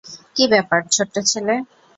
কী ব্যাপার, ছোট্ট ছেলে?